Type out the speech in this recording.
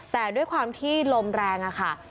แต่ด้วยความที่ลมแรงค่ะ